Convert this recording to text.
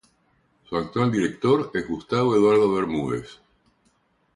Su actual director es Gustavo Eduardo Bermúdez.